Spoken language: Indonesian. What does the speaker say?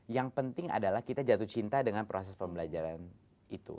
yang penting adalah kita jatuh cinta dengan proses pembelajaran itu